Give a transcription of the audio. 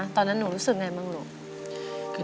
ตอนนั้นหนูรู้สึกไงบ้างลูก